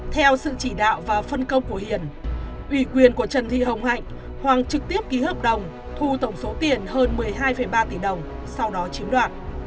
theo sự chỉ đạo và phân công của hiền ủy quyền của trần thị hồng hạnh hoàng trực tiếp ký hợp đồng thu tổng số tiền hơn một mươi hai ba tỷ đồng sau đó chiếm đoạt